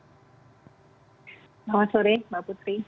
selamat sore mbak putri